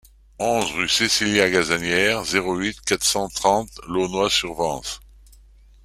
onze rue Cécilia Gazanière, zéro huit, quatre cent trente Launois-sur-Vence